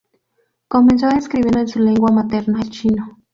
Comenzó escribiendo en su lengua materna, el chino.